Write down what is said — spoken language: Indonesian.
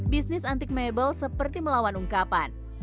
bisnis antik mebel seperti melawan ungkapan